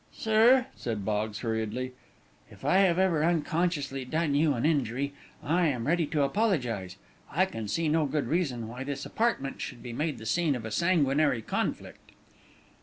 "Sir," said Boggs, hurriedly, "if I have ever unconsciously done you an injury, I am ready to apologize. I can see no good reason why this apartment should be made the scene of a sanguinary conflict."